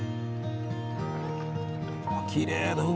きれいな海。